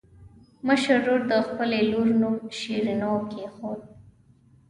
مشر ورور د خپلې لور نوم شیرینو کېښود.